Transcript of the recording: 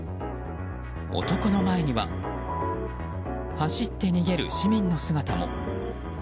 男の前には走って逃げる市民の姿も。